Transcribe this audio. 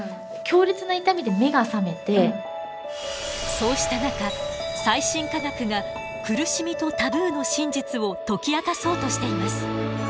そうした中最新科学が苦しみとタブーの真実を解き明かそうとしています。